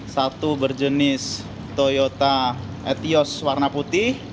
satu berjenis toyota ethios warna putih